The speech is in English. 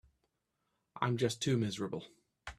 I'm just too miserable.